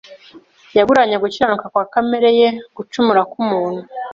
Yaguranye gukiranuka kwa kamere ye gucumura k’umuntu.